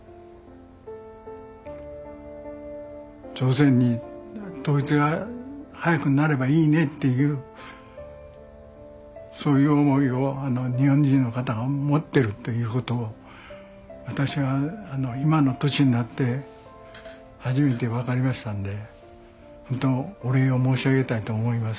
朝鮮に統一が早くなればいいねっていうそういう思いを日本人の方が持ってるということを私は今の年になって初めて分かりましたんで本当お礼を申し上げたいと思います。